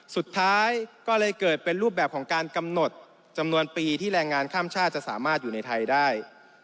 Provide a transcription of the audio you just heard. สุดท้ายก็เลยเกิดเป็นรูปแบบของการกำหนดจำนวนปีที่แรงงานข้ามชาติจะสามารถอยู่ในไทยได้